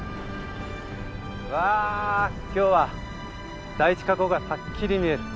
うわ今日は第一火口がはっきり見える。